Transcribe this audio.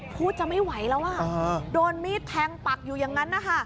พูดจะไม่ไหวแล้วอ่ะโดนมีดแทงปักอยู่อย่างนั้นนะคะ